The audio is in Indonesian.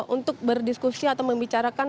untuk berdiskusi atau membicarakan